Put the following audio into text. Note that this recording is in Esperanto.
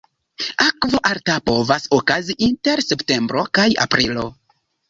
Akvo alta povas okazi inter septembro kaj aprilo.